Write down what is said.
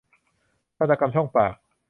ทันตกรรมช่องปาก